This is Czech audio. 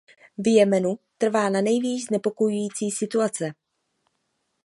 V Jemenu trvá nanejvýš znepokojující situace.